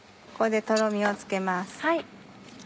これでとろみをつけます。